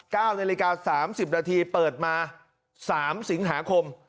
๙ในรายการ๓๐นาทีเปิดมา๓สิงหาคม